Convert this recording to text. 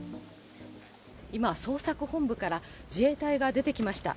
今、捜索本部から、自衛隊が出てきました。